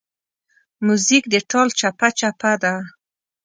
موزیک د ټال چپهچپه ده.